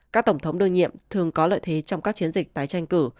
các tổng thống đương nhiệm thường có lợi thế trong các chiến dịch tái tranh cử